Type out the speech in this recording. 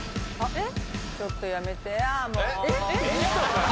えっ？